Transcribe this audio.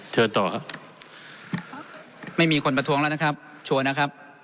เชิญต่อครับไม่มีคนประท้วงแล้วนะครับชัวร์นะครับ